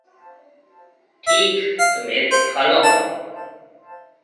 ٺيڪ تو ميه هالون هون۔